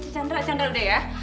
candra candra udah ya